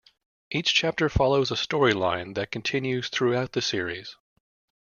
Each chapter follows a storyline that continues throughout the series.